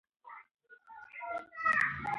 چاغ سړي د غوښو په سکروټو باندې پکه وهله.